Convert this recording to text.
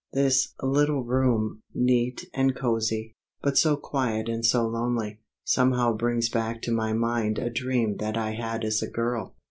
This little room, neat and cosy, but so quiet and so lonely, somehow brings back to my mind a dream that I had as a girl.